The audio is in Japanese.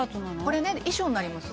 「これね衣装になります。